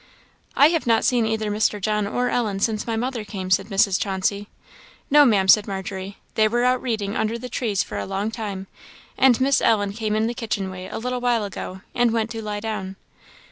"I have not seen either Mr. John or Ellen since my mother came," said Mrs. Chauncey. "No, Ma'am," said Margery, "they were out reading under the trees for a long time; and Miss Ellen came in the kitchen way a little while ago, and went to lie down."